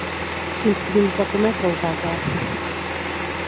Quins crims va cometre Osàcar?